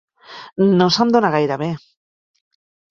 No se'm dona gaire bé.